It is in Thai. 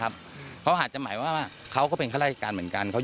ครับเขาอาจจะหมายว่าเขาก็เป็นคลายการเหมือนกันเขา